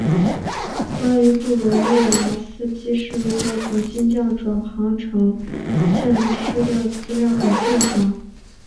关于布鲁内莱斯基是如何从金匠转行成建筑师的资料很匮乏。